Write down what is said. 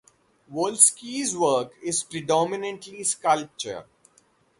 Wolski's work is predominantly sculpture.